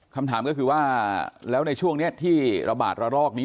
คำถามก็คือว่าแล้วในช่วงนี้ที่ระบาดระลอกนี้